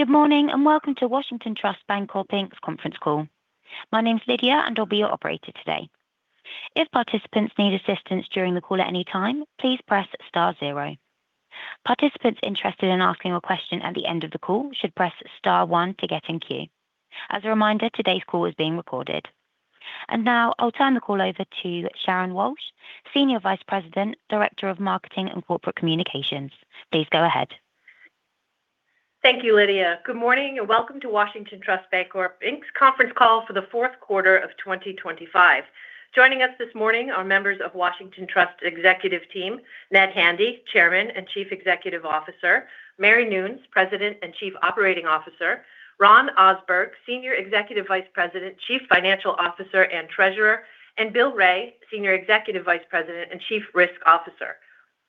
Good morning, and welcome to Washington Trust Bancorp, Inc.'s conference call. My name is Lydia, and I'll be your operator today. If participants need assistance during the call at any time, please press star zero. Participants interested in asking a question at the end of the call should press star one to get in queue. As a reminder, today's call is being recorded. Now I'll turn the call over to Sharon Walsh, Senior Vice President, Director of Marketing and Corporate Communications. Please go ahead. Thank you, Lydia. Good morning, and welcome to Washington Trust Bancorp, Inc.'s conference call for the fourth quarter of 2025. Joining us this morning are members of Washington Trust executive team, Ned Handy, Chairman and Chief Executive Officer; Mary Noons, President and Chief Operating Officer; Ron Ohsberg, Senior Executive Vice President, Chief Financial Officer, and Treasurer; and Bill Wray, Senior Executive Vice President and Chief Risk Officer.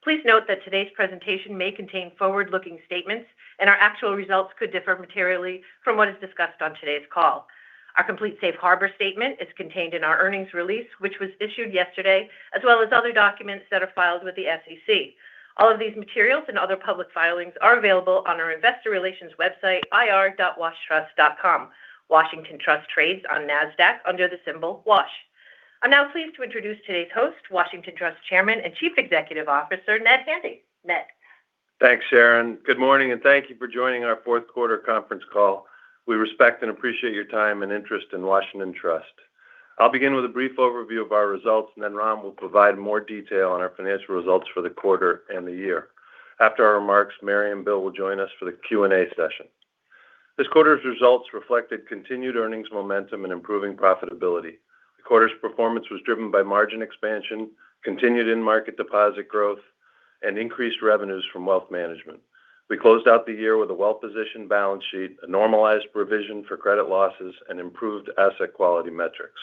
Please note that today's presentation may contain forward-looking statements, and our actual results could differ materially from what is discussed on today's call. Our complete safe harbor statement is contained in our earnings release, which was issued yesterday, as well as other documents that are filed with the SEC. All of these materials and other public filings are available on our investor relations website, ir.washtrust.com. Washington Trust trades on NASDAQ under the symbol WASH. I'm now pleased to introduce today's host, Washington Trust Chairman and Chief Executive Officer, Ned Handy. Ned? Thanks, Sharon. Good morning, and thank you for joining our fourth quarter conference call. We respect and appreciate your time and interest in Washington Trust. I'll begin with a brief overview of our results, and then Ron will provide more detail on our financial results for the quarter and the year. After our remarks, Mary and Bill will join us for the Q&A session. This quarter's results reflected continued earnings momentum and improving profitability. The quarter's performance was driven by margin expansion, continued in-market deposit growth, and increased revenues from wealth management. We closed out the year with a well-positioned balance sheet, a normalized provision for credit losses, and improved asset quality metrics.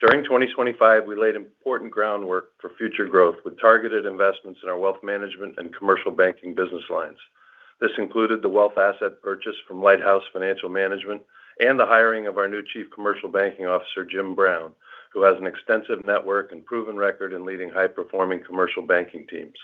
During 2025, we laid important groundwork for future growth with targeted investments in our wealth management and commercial banking business lines. This included the wealth asset purchase from Lighthouse Financial Management and the hiring of our new Chief Commercial Banking Officer, Jim Brown, who has an extensive network and proven record in leading high-performing commercial banking teams.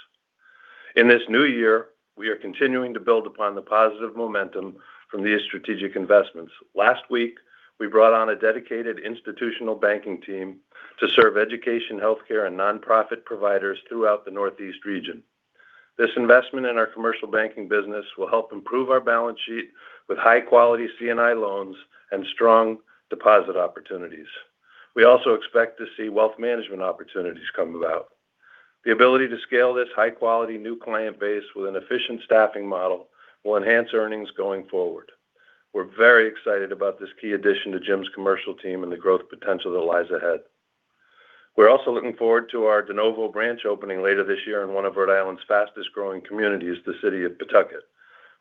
In this new year, we are continuing to build upon the positive momentum from these strategic investments. Last week, we brought on a dedicated institutional banking team to serve education, healthcare, and nonprofit providers throughout the Northeast region. This investment in our commercial banking business will help improve our balance sheet with high-quality C&I loans and strong deposit opportunities. We also expect to see wealth management opportunities come about. The ability to scale this high-quality new client base with an efficient staffing model will enhance earnings going forward. We're very excited about this key addition to Jim's commercial team and the growth potential that lies ahead. We're also looking forward to our de novo branch opening later this year in one of Rhode Island's fastest-growing communities, the city of Pawtucket,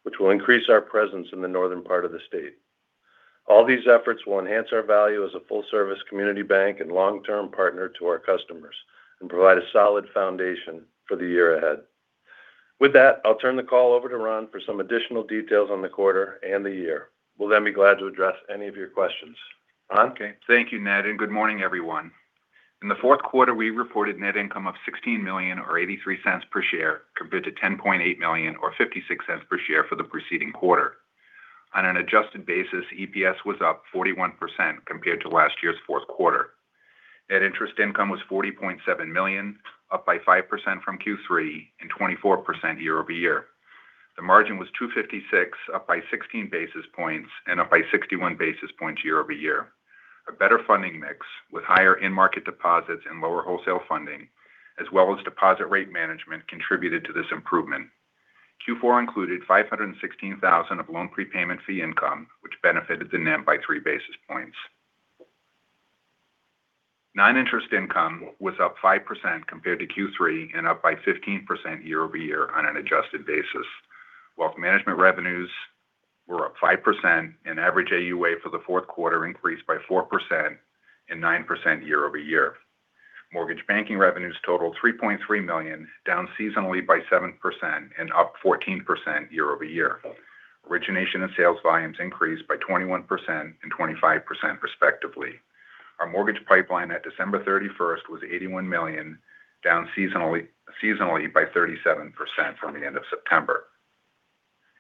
which will increase our presence in the northern part of the state. All these efforts will enhance our value as a full-service community bank and long-term partner to our customers and provide a solid foundation for the year ahead. With that, I'll turn the call over to Ron for some additional details on the quarter and the year. We'll then be glad to address any of your questions. Ron? Okay. Thank you, Ned, and good morning, everyone. In the fourth quarter, we reported net income of $16 million or $0.83 per share, compared to $10.8 million or $0.56 per share for the preceding quarter. On an adjusted basis, EPS was up 41% compared to last year's fourth quarter. Net interest income was $40.7 million, up by 5% from Q3 and 24% year-over-year. The margin was 2.56, up by 16 basis points and up by 61 basis points year-over-year. A better funding mix with higher in-market deposits and lower wholesale funding, as well as deposit rate management, contributed to this improvement. Q4 included $516,000 of loan prepayment fee income, which benefited the NIM by 3 basis points. Non-interest income was up 5% compared to Q3 and up by 15% year-over-year on an adjusted basis. Wealth management revenues were up 5% and average AUA for the fourth quarter increased by 4% and 9% year-over-year. Mortgage banking revenues totaled $3.3 million, down seasonally by 7% and up 14% year-over-year. Origination and sales volumes increased by 21% and 25% respectively. Our mortgage pipeline at December 31 was $81 million, down seasonally by 37% from the end of September.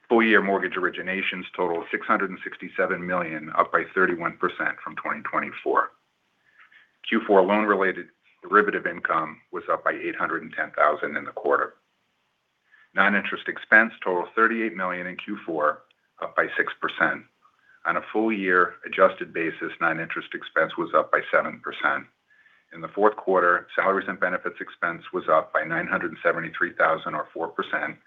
Full year mortgage originations totaled $667 million, up by 31% from 2024. Q4 loan-related derivative income was up by $810,000 in the quarter. Non-interest expense totaled $38 million in Q4, up by 6%. On a full-year adjusted basis, non-interest expense was up by 7%. In the fourth quarter, salaries and benefits expense was up by $973,000 or 4%,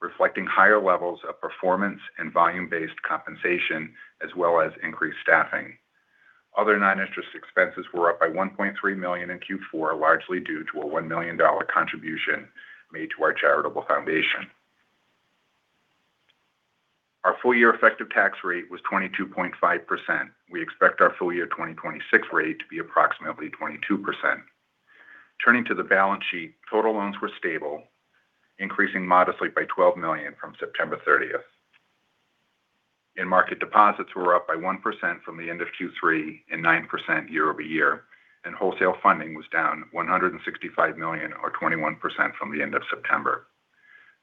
reflecting higher levels of performance and volume-based compensation, as well as increased staffing. Other non-interest expenses were up by $1.3 million in Q4, largely due to a $1 million contribution made to our charitable foundation. Our full-year effective tax rate was 22.5%. We expect our full-year 2026 rate to be approximately 22%. Turning to the balance sheet, total loans were stable, increasing modestly by $12 million from September 30. In-market deposits were up by 1% from the end of Q3 and 9% year-over-year... and wholesale funding was down $165 million or 21% from the end of September.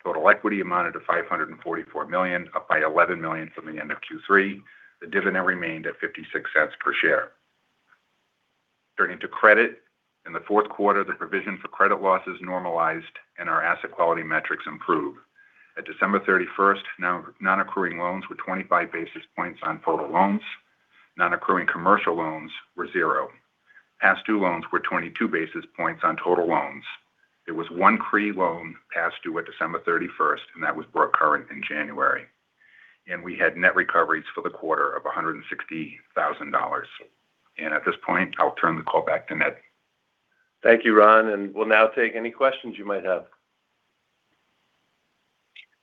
Total equity amounted to $544 million, up by $11 million from the end of Q3. The dividend remained at $0.56 per share. Turning to credit. In the fourth quarter, the provision for credit losses normalized and our asset quality metrics improved. At December 31, non-accruing loans were 25 basis points on total loans. Non-accruing commercial loans were zero. Past due loans were 22 basis points on total loans. There was one CRE loan past due at December 31, and that was brought current in January, and we had net recoveries for the quarter of $160,000. At this point, I'll turn the call back to Ned. Thank you, Ron, and we'll now take any questions you might have.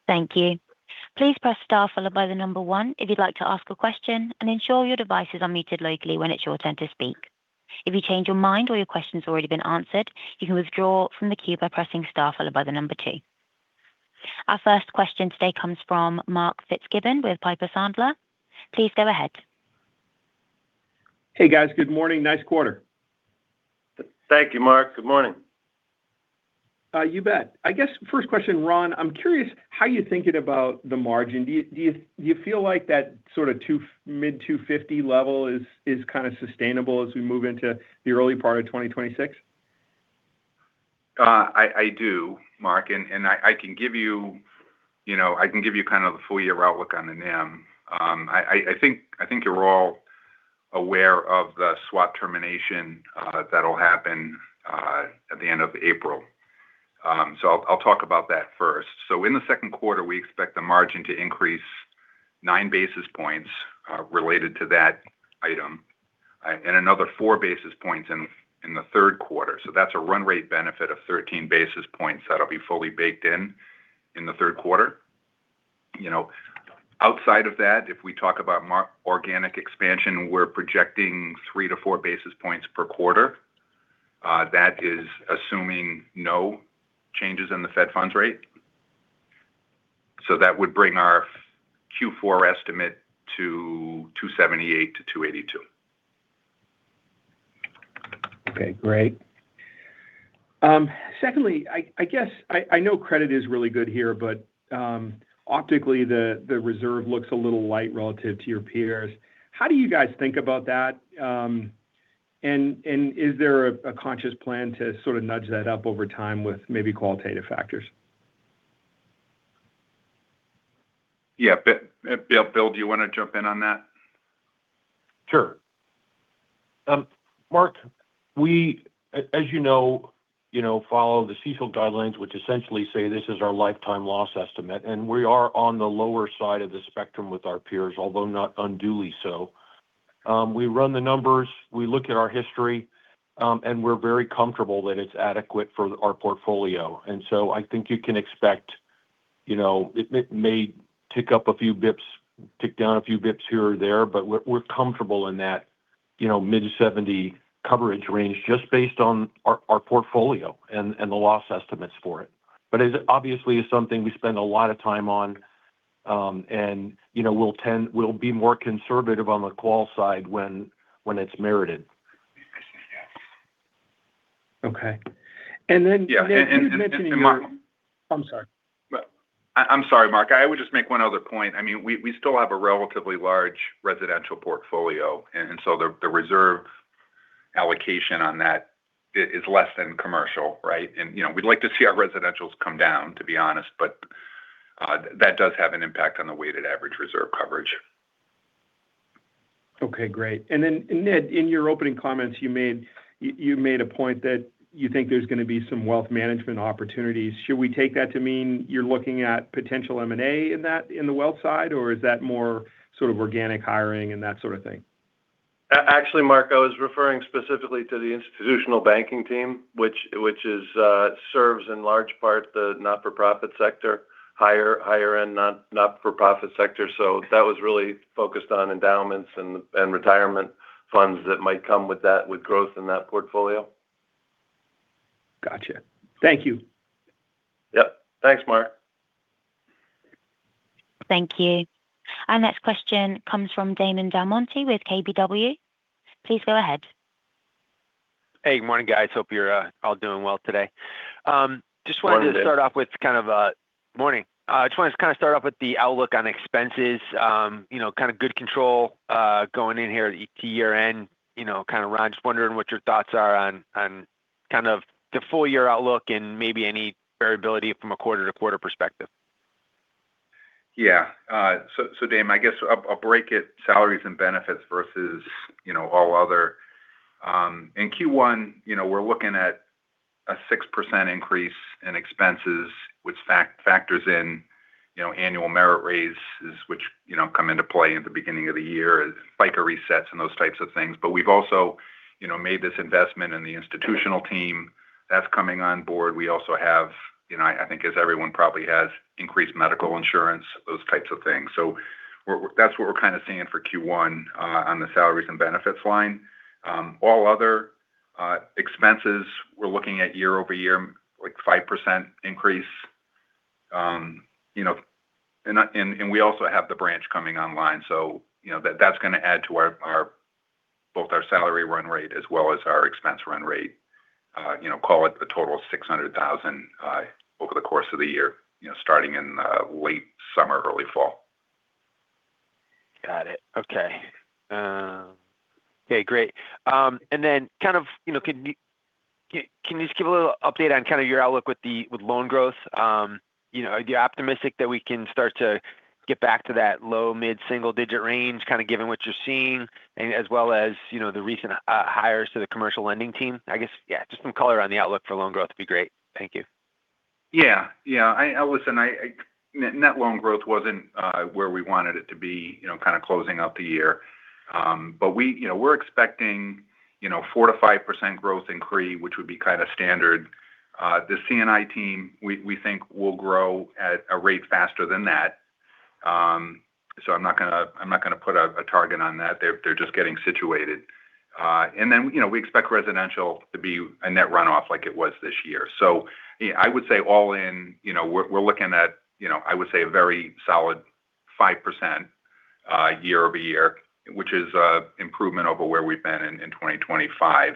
Thank you. Please press Star, followed by the number one if you'd like to ask a question and ensure your devices are muted locally when it's your turn to speak. If you change your mind or your question's already been answered, you can withdraw from the queue by pressing Star followed by the number two. Our first question today comes from Mark Fitzgibbon with Piper Sandler. Please go ahead. Hey, guys. Good morning. Nice quarter. Thank you, Mark. Good morning. You bet. I guess first question, Ron. I'm curious how you're thinking about the margin. Do you feel like that sort of 2 mid 2.50 level is kind of sustainable as we move into the early part of 2026? I do, Mark. You know, I can give you kind of the full year outlook on the NIM. I think you're all aware of the swap termination that will happen at the end of April. So I'll talk about that first. So in the second quarter, we expect the margin to increase 9 basis points related to that item, and another 4 basis points in the third quarter. So that's a run rate benefit of 13 basis points that'll be fully baked in the third quarter. You know, outside of that, if we talk about organic expansion, we're projecting 3-4 basis points per quarter. That is assuming no changes in the Fed funds rate. That would bring our Q4 estimate to 2.78%-2.82% Okay, great. Secondly, I guess—I know credit is really good here, but optically, the reserve looks a little light relative to your peers. How do you guys think about that, and is there a conscious plan to sort of nudge that up over time with maybe qualitative factors? Yeah. Bill, do you want to jump in on that? Sure. Mark, we as you know, you know, follow the CECL guidelines, which essentially say this is our lifetime loss estimate, and we are on the lower side of the spectrum with our peers, although not unduly so. We run the numbers, we look at our history, and we're very comfortable that it's adequate for our portfolio. And so I think you can expect, you know, it may tick up a few bps, tick down a few bps here or there, but we're comfortable in that, you know, mid-seventy coverage range just based on our portfolio and the loss estimates for it. But as obviously is something we spend a lot of time on, and, you know, we'll be more conservative on the call side when it's merited. Okay. And then- Yeah. You mentioned in your- And, Mark- I'm sorry. I'm sorry, Mark. I would just make one other point. I mean, we still have a relatively large residential portfolio, and so the reserve allocation on that is less than commercial, right? And, you know, we'd like to see our residentials come down, to be honest, but that does have an impact on the weighted average reserve coverage. Okay, great. And then, Ned, in your opening comments you made, you made a point that you think there's going to be some wealth management opportunities. Should we take that to mean you're looking at potential M&A in that, in the wealth side, or is that more sort of organic hiring and that sort of thing? Actually, Mark, I was referring specifically to the institutional banking team, which serves in large part the not-for-profit sector, higher-end not-for-profit sector. So that was really focused on endowments and retirement funds that might come with that, with growth in that portfolio. Gotcha. Thank you. Yep. Thanks, Mark. Thank you. Our next question comes from Damon DelMonte with KBW. Please go ahead. Hey, good morning, guys. Hope you're all doing well today. Just wanted- Morning, Damon. To start off with kind of, Morning. I just wanted to kind of start off with the outlook on expenses. You know, kind of good control, going in here to year-end, you know, kind of run. Just wondering what your thoughts are on, on kind of the full year outlook and maybe any variability from a quarter to quarter perspective. Yeah. So, so, Damon, I guess I'll, I'll break it, salaries and benefits versus, you know, all other. In Q1, you know, we're looking at a 6% increase in expenses, which factors in, you know, annual merit raises, which, you know, come into play at the beginning of the year, FICA resets and those types of things. But we've also, you know, made this investment in the institutional team that's coming on board. We also have, you know, I think as everyone probably has, increased medical insurance, those types of things. So we're, that's what we're kind of seeing for Q1, on the salaries and benefits line. All other, expenses, we're looking at year-over-year, like 5% increase. you know, and we also have the branch coming online, so, you know, that's going to add to our both our salary run rate as well as our expense run rate. You know, call it a total of $600,000 over the course of the year, you know, starting in late summer, early fall. Got it. Okay. Okay, great. And then kind of, you know, can you just give a little update on kind of your outlook with loan growth? You know, are you optimistic that we can start to get back to that low, mid-single digit range, kind of given what you're seeing and as well as, you know, the recent hires to the commercial lending team? I guess, yeah, just some color on the outlook for loan growth would be great. Thank you. Yeah. Yeah. Listen, net loan growth wasn't where we wanted it to be, you know, kind of closing out the year. But we, you know, we're expecting, you know, 4%-5% growth in CRE, which would be kind of standard. The C&I team, we think will grow at a rate faster than that. So I'm not going to put a target on that. They're just getting situated. And then, you know, we expect residential to be a net runoff like it was this year. So I would say all in, you know, we're looking at, you know, I would say a very solid 5% year-over-year, which is an improvement over where we've been in 2025.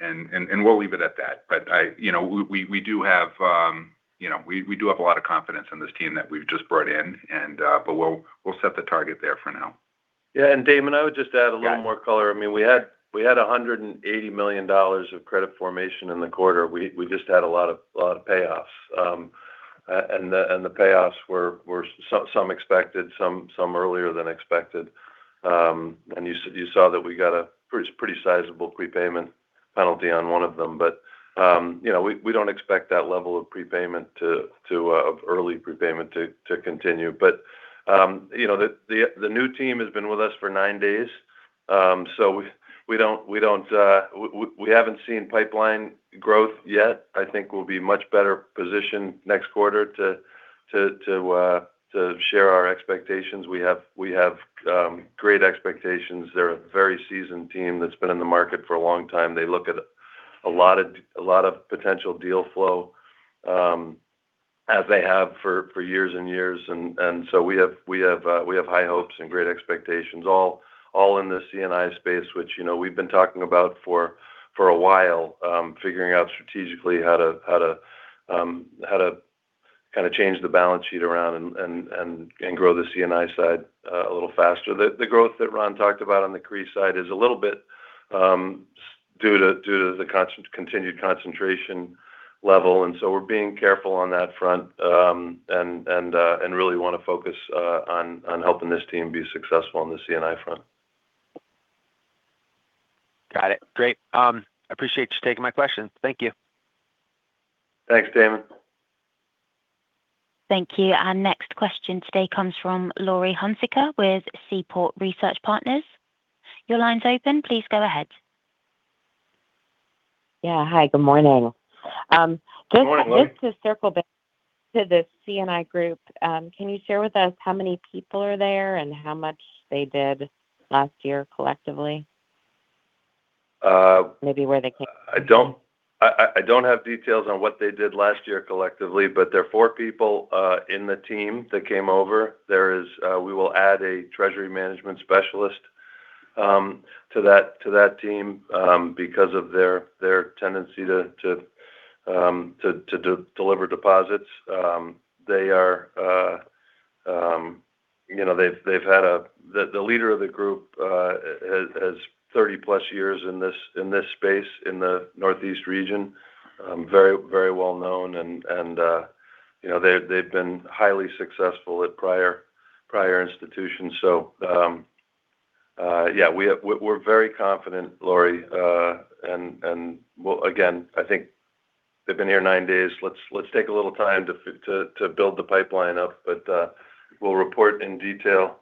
And we'll leave it at that. But you know, we do have, you know, we do have a lot of confidence in this team that we've just brought in, and but we'll set the target there for now. Yeah, and Damon, I would just add a little more color. Got it. I mean, we had $180 million of credit formation in the quarter. We just had a lot of payoffs. And the payoffs were some expected, some earlier than expected. And you saw that we got a pretty sizable prepayment penalty on one of them. But, you know, we don't expect that level of early prepayment to continue. But, you know, the new team has been with us for nine days. So we don't, we haven't seen pipeline growth yet. I think we'll be much better positioned next quarter to share our expectations. We have great expectations. They're a very seasoned team that's been in the market for a long time. They look at a lot of potential deal flow as they have for years and years. And so we have high hopes and great expectations all in the C&I space, which, you know, we've been talking about for a while. Figuring out strategically how to kind of change the balance sheet around and grow the C&I side a little faster. The growth that Ron talked about on the CRE side is a little bit due to the continued concentration level, and so we're being careful on that front, and really want to focus on helping this team be successful on the C&I front. Got it. Great. I appreciate you taking my question. Thank you. Thanks, Damon. Thank you. Our next question today comes from Laurie Hunsicker with Seaport Research Partners. Your line's open. Please go ahead. Yeah. Hi, good morning. Good morning, Laurie. Just to circle back to the C&I group, can you share with us how many people are there and how much they did last year collectively? Uh- Maybe where they came- I don't have details on what they did last year collectively, but there are 4 people in the team that came over. There is, we will add a treasury management specialist to that team because of their tendency to deliver deposits. They are, you know, they've had the leader of the group has 30+ years in this space in the Northeast region. Very, very well known and, you know, they've been highly successful at prior institutions. So, yeah, we are very confident, Laurie. And well, again, I think they've been here 9 days. Let's take a little time to build the pipeline up, but we'll report in detail.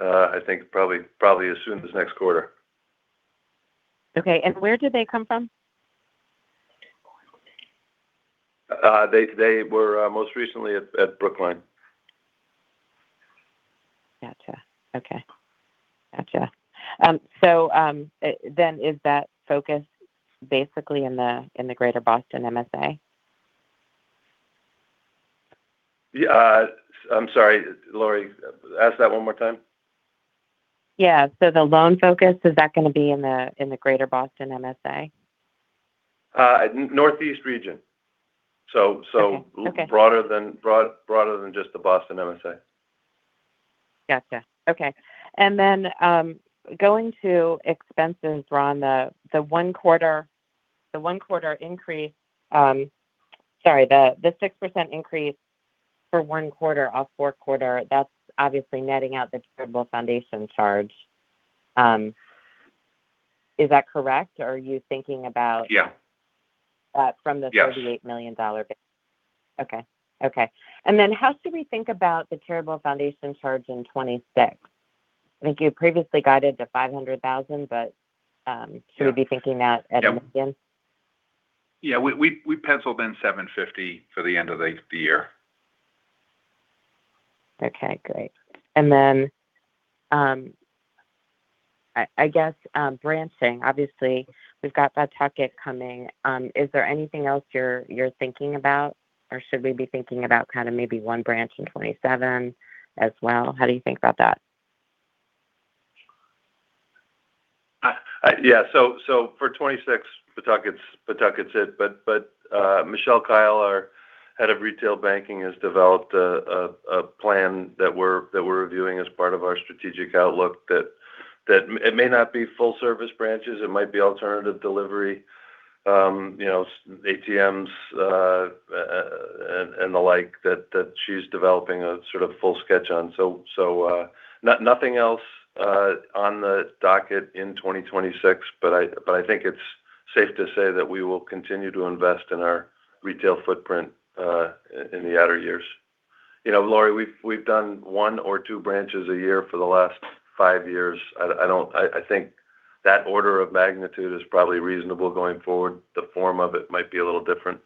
I think probably as soon as next quarter. Okay. Where did they come from? They were most recently at Brookline. Gotcha. Okay. Gotcha. So, then is that focused basically in the, in the Greater Boston MSA? Yeah. I'm sorry, Laurie. Ask that one more time. Yeah. So the loan focus, is that going to be in the, in the Greater Boston MSA? Northeast region. Okay. Okay. So, broader than just the Boston MSA. Gotcha. Okay. And then, going to expenses, Ron, the one quarter increase... Sorry, the 6% increase for one quarter off four quarter, that's obviously netting out the Washington Trust Charitable Foundation charge. Is that correct? Or are you thinking about- Yeah... from the- Yes... $38 million base? Okay. Okay. And then how should we think about the Washington Trust Charitable Foundation charge in 2026? I think you previously guided to $500,000, but, Yeah... should we be thinking that again? Yeah. We penciled in $750 for the end of the year. ... Okay, great. And then, I guess, branching, obviously, we've got Pawtucket coming. Is there anything else you're thinking about, or should we be thinking about kind of maybe one branch in 2027 as well? How do you think about that? Yeah, so for 2026, Pawtucket's it. But Michelle Kile, our Head of Retail Banking, has developed a plan that we're reviewing as part of our strategic outlook that it may not be full-service branches. It might be alternative delivery, you know, ATMs, and the like, that she's developing a sort of full sketch on. So nothing else on the docket in 2026, but I think it's safe to say that we will continue to invest in our retail footprint in the outer years. You know, Laurie, we've done one or two branches a year for the last five years. I don't—I think that order of magnitude is probably reasonable going forward. The form of it might be a little different.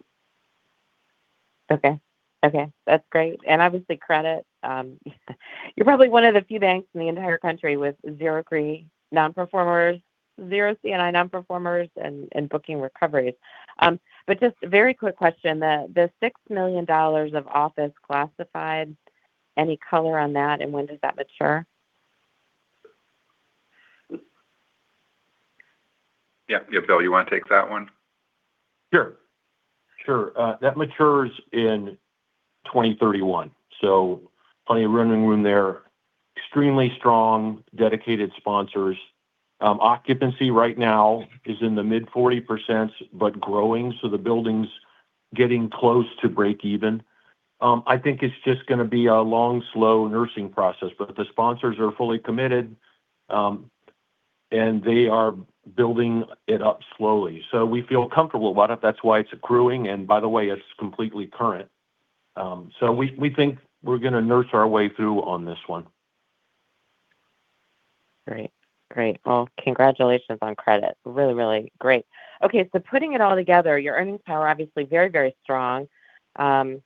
Okay. Okay, that's great. And obviously, credit, you're probably one of the few banks in the entire country with zero CRE nonperformers, zero C&I nonperformers, and, and booking recoveries. But just a very quick question, the $6 million of office classified, any color on that, and when does that mature? Yeah. Yeah, Bill, you want to take that one? Sure. Sure. That matures in 2031, so plenty of running room there. Extremely strong, dedicated sponsors. Occupancy right now is in the mid-40%, but growing, so the building's getting close to break even. I think it's just gonna be a long, slow nursing process, but the sponsors are fully committed, and they are building it up slowly. So we feel comfortable about it. That's why it's accruing, and by the way, it's completely current. So we think we're gonna nurse our way through on this one. Great. Great. Well, congratulations on credit. Really, really great. Okay, so putting it all together, your earnings power, obviously very, very strong. In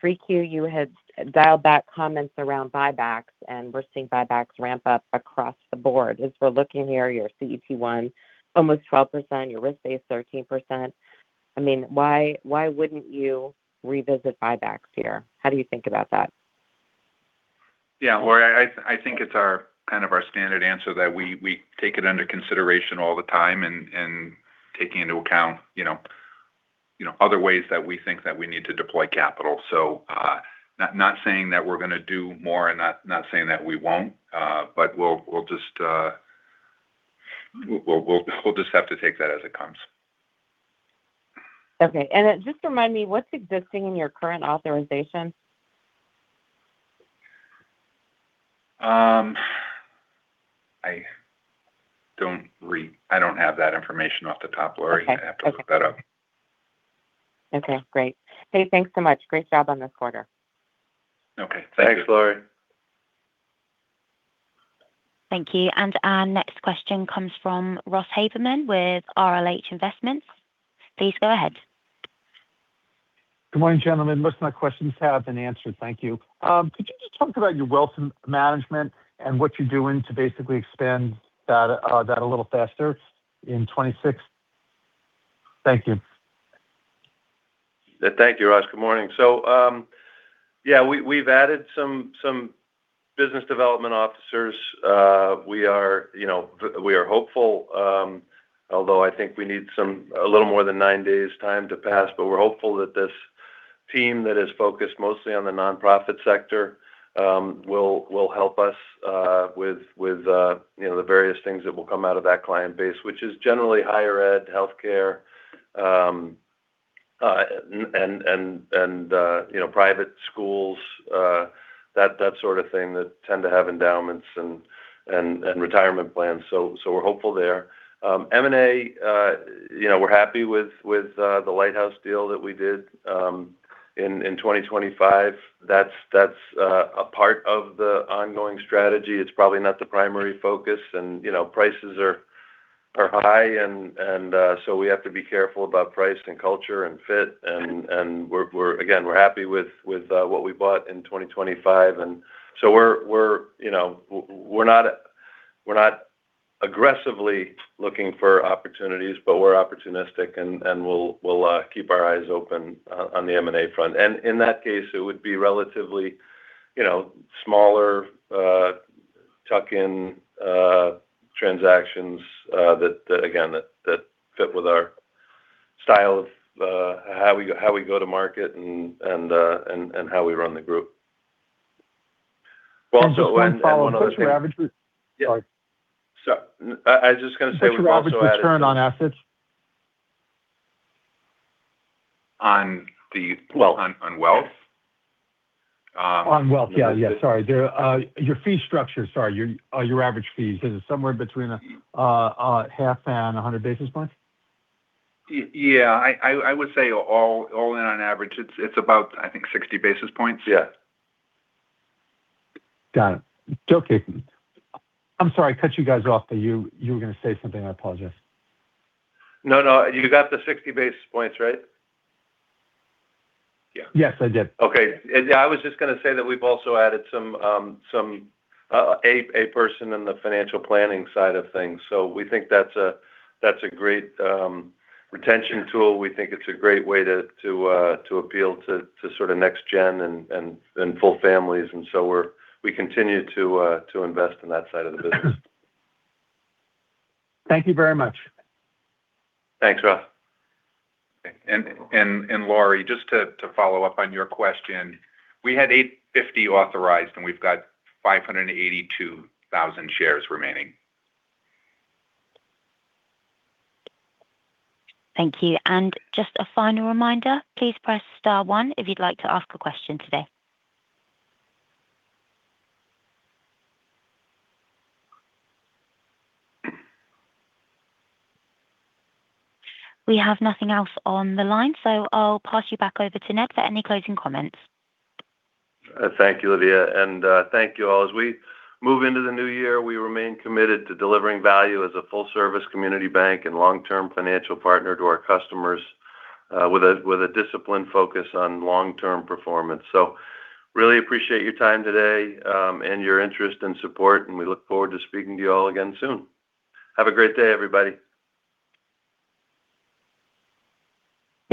3Q, you had dialed back comments around buybacks, and we're seeing buybacks ramp up across the board. As we're looking here, your CET1, almost 12%, your risk-based, 13%. I mean, why, why wouldn't you revisit buybacks here? How do you think about that? Yeah, well, I think it's our—kind of our standard answer that we take it under consideration all the time and taking into account, you know, other ways that we think that we need to deploy capital. So, not saying that we're going to do more and not saying that we won't, but we'll just have to take that as it comes. Okay. And just remind me, what's existing in your current authorization? I don't have that information off the top, Laurie. Okay. I have to look that up. Okay, great. Hey, thanks so much. Great job on this quarter. Okay. Thank you. Thanks, Laurie. Thank you. And our next question comes from Ross Haberman with RLH Investments. Please go ahead. Good morning, gentlemen. Most of my questions have been answered. Thank you. Could you just talk about your wealth management and what you're doing to basically expand that, that a little faster in 2026? Thank you. Thank you, Ross. Good morning. So, yeah, we've added some business development officers. We are, you know, we are hopeful, although I think we need a little more than nine days' time to pass. But we're hopeful that this team that is focused mostly on the nonprofit sector will help us with you know the various things that will come out of that client base, which is generally higher ed, healthcare, and you know private schools, that sort of thing that tend to have endowments and retirement plans. So we're hopeful there. M&A, you know, we're happy with the Lighthouse deal that we did in 2025. That's a part of the ongoing strategy. It's probably not the primary focus and, you know, prices are high and, so we have to be careful about price and culture and fit. And we're, again, we're happy with what we bought in 2025. And so we're, you know, we're not aggressively looking for opportunities, but we're opportunistic and we'll keep our eyes open on the M&A front. And in that case, it would be relatively, you know, smaller tuck-in transactions that again fit with our style of how we go to market and how we run the group. Well, so and- What's your average with... Sorry. I was just going to say we've also added- What's your average return on assets? On the wealth. On wealth? On wealth, yeah, yeah. Sorry. Your fee structure, sorry, your average fees, is it somewhere between 50 and 100 basis points? Yeah, I would say all in on average, it's about, I think, 60 basis points. Yeah. Got it. Okay. I'm sorry, I cut you guys off, but you, you were going to say something. I apologize. No, no. You got the 60 basis points, right? Yeah. Yes, I did. Okay. Yeah, I was just gonna say that we've also added a person in the financial planning side of things. So we think that's a great retention tool. We think it's a great way to appeal to sort of next gen and full families. And so we continue to invest in that side of the business. Thank you very much. Thanks, Ross. And Laurie, just to follow up on your question, we had 850 authorized, and we've got 582,000 shares remaining. Thank you. And just a final reminder, please press star one if you'd like to ask a question today. We have nothing else on the line, so I'll pass you back over to Ned for any closing comments. Thank you, Lydia, and thank you, all. As we move into the new year, we remain committed to delivering value as a full-service community bank and long-term financial partner to our customers, with a disciplined focus on long-term performance. So really appreciate your time today, and your interest and support, and we look forward to speaking to you all again soon. Have a great day,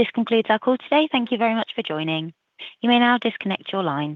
everybody. This concludes our call today. Thank you very much for joining. You may now disconnect your lines.